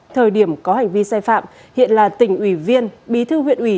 thời điểm có hành vi sai phạm hiện là tỉnh ủy viên bí thư huyện ủy